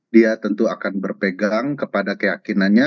dia tentu akan berpegang kepada keyakinannya